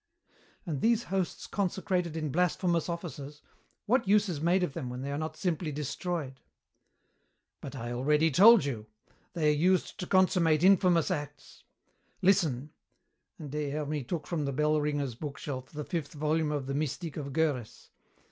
"And these hosts consecrated in blasphemous offices, what use is made of them when they are not simply destroyed?" "But I already told you. They are used to consummate infamous acts. Listen," and Des Hermies took from the bell ringers bookshelf the fifth volume of the Mystik of Görres.